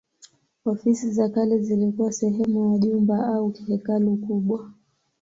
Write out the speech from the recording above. Ofisi za kale zilikuwa sehemu ya jumba au hekalu kubwa.